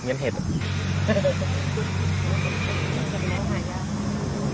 สวัสดีครับทุกคน